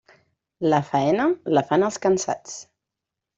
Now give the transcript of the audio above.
La faena, la fan els cansats.